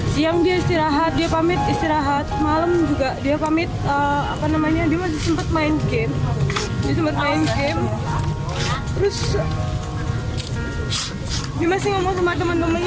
siang dia istirahat dia pamit istirahat malam juga dia pamit dia masih sempat main game